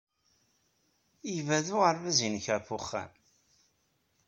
Yebɛed uɣerbaz-nnek ɣef wexxam?